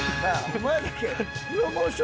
お前だけ。